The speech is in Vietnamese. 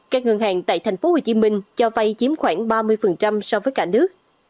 các ngân hàng tại tp hcm cho vay chiếm khoảng ba mươi so với cả nước